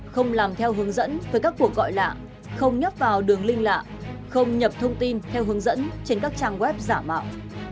không làm theo hướng dẫn với các cuộc gọi lạ không nhấp vào đường link lạ không nhập thông tin theo hướng dẫn trên các trang web giả mạo